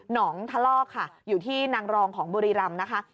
งทะลอกค่ะอยู่ที่นางรองของบุรีรำนะคะ